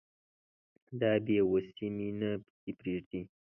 دا بې وسي مي نه پسې پرېږدي